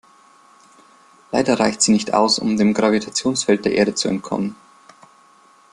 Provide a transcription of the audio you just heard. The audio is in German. Leider reicht sie nicht aus, um dem Gravitationsfeld der Erde zu entkommen.